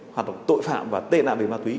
hoạt động tội phạm và tê nạp về ma túy